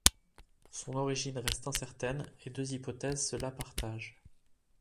Son origine reste incertaine et deux hypothèses se la partagent.